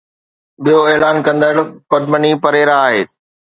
ٻيو اعلان ڪندڙ پدمني پريرا آهي.